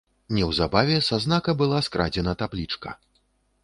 Неўзабаве са знака была скрадзена таблічка.